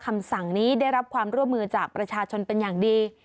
คำสั่งนี้ได้รับความร่วมมือจากประชาชนเป็นอย่างดี